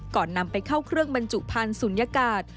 นำไปเข้าเครื่องบรรจุพันธุ์ศูนยากาศ